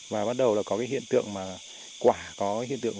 và bắt đầu là có cái hiện tượng mà quả có hiện tượng